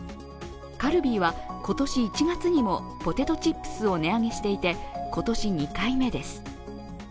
カルビーは今年１月にもポテトチップスを値上げしていて今年２回目です。